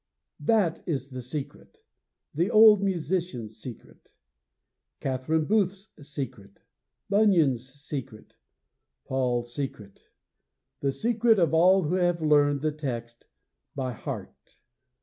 That is the secret the old musician's secret; Catherine Booth's secret; Bunyan's secret; Paul's secret; the secret of all who have learned the text by heart!